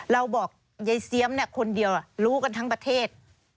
เราบอกยายเสียมคนเดียวรู้กันทั้งประเทศ